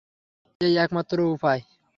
এই একমাত্র উপায়।